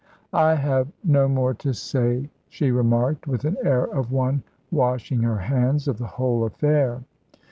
"I have no more to say," she remarked, with an air of one washing her hands of the whole affair.